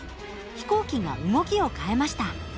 飛行機が動きを変えました。